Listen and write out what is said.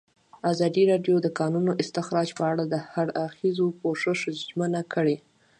ازادي راډیو د د کانونو استخراج په اړه د هر اړخیز پوښښ ژمنه کړې.